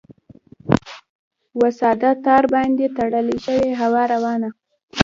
وساده ! تار باندې تړلی شي هوا روانه ؟